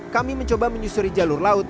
kami mencoba menyusuri jalur laut